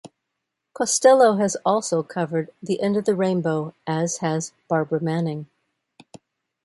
Costello has also covered "The End of the Rainbow" as has Barbara Manning.